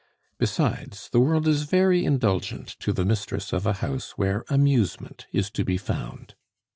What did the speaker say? Besides, the world is very indulgent to the mistress of a house where amusement is to be found.